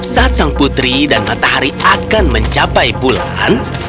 saat sang putri dan matahari akan mencapai bulan